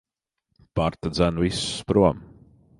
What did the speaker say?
Marta dzen visus prom.